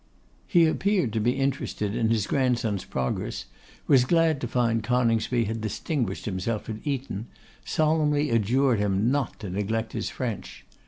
He appeared to be interested in his grandson's progress, was glad to find Coningsby had distinguished himself at Eton, solemnly adjured him not to neglect his French.